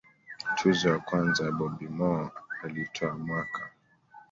tuzo ya kwanza ya Bobby Moore alitwaa mwaka